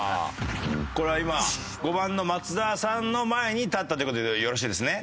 これは今５番の松田さんの前に立ったという事でよろしいですね？